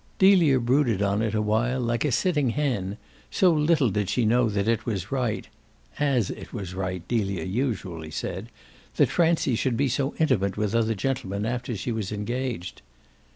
Delia brooded on it a while like a sitting hen, so little did she know that it was right ("as" it was right Delia usually said) that Francie should be so intimate with other gentlemen after she was engaged.